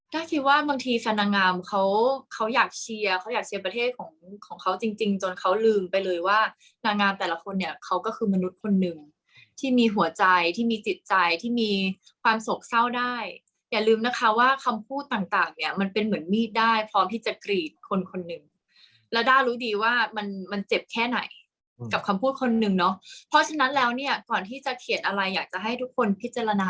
ก็คิดว่าบางทีแฟนนางงามเขาเขาอยากเชียร์เขาอยากเชียร์ประเทศของของเขาจริงจนเขาลืมไปเลยว่านางงามแต่ละคนเนี่ยเขาก็คือมนุษย์คนหนึ่งที่มีหัวใจที่มีจิตใจที่มีความสกเศร้าได้อย่าลืมนะคะว่าคำพูดต่างเนี่ยมันเป็นเหมือนมีดได้พร้อมที่จะกรีดคนคนหนึ่งแล้วได้รู้ดีว่ามันมันเจ็บแค่ไหนกับคำพ